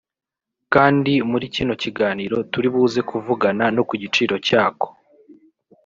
kandi muri kino kiganiro turi buze kuvugana no ku giciro cyako”